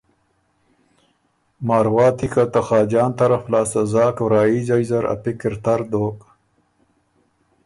مارواتی که ته خاجان طرف لاسته زاک وراييځئ زر ا پِکر تر دوک،